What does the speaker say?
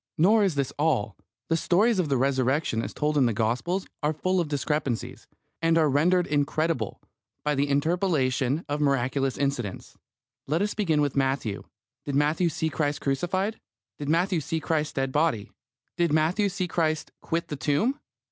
Nor is this all. The stories of the Resurrection as told in the Gospels are full of discrepancies, and are rendered incredible by the interpolation of miraculous incidents. Let us begin with Matthew. Did Matthew see Christ crucified? Did Matthew see Christ's dead body? Did Matthew see Christ quit the tomb?